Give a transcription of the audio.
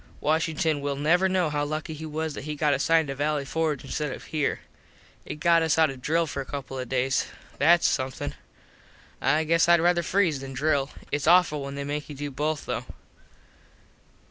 Washington will never know how lucky he was that he got assigned to valley Forge instead of here. It got us out of drill for a couple of days. Thats somethin. I guess Id rather freeze than drill. Its awful when they make you do both though.